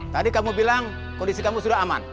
tadi kamu bilang kondisi kamu sudah aman